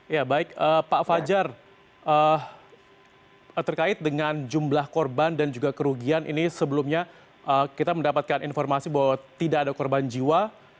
ya baik pak fajar terkait dengan jumlah korban dan juga kerugian ini sebelumnya kita mendapatkan informasi bahwa tidak ada korban jiwa